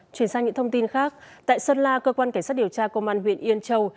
chuyển sang những thông tin khác tại sơn la cơ quan cảnh sát điều tra công an huyện yên châu